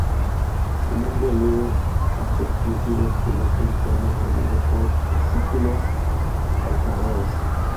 Su nombre alude a su exclusivo esqueleto interno formado por osículos calcáreos.